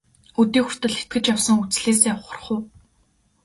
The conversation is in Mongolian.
Өдий хүртэл итгэж явсан үзлээсээ ухрах уу?